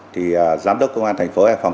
thì giám đốc công an thành phố hải phòng